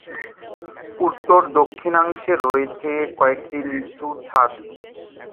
উত্তর অর্ধাংশে রয়েছে কয়েকটি নিচু ছাদ।